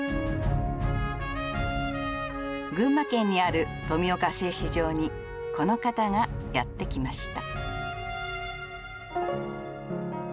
群馬県にある富岡製糸場にこの方がやってきました。